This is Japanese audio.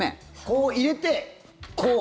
こう入れて、こう。